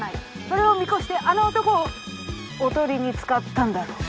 それを見越してあの男を囮に使ったんだろう。